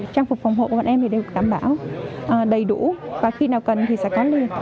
trang phục phòng hộ của bọn em thì đều đảm bảo đầy đủ và khi nào cần thì sẽ có lương